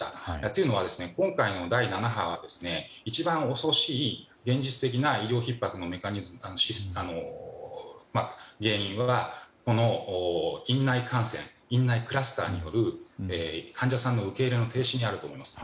というのは、今回の第７波は一番恐ろしい現実的な医療ひっ迫の原因は院内感染院内クラスターによる患者さんの受け入れ停止にあると思います。